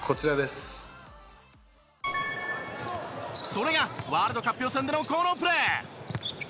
それがワールドカップ予選でのこのプレー。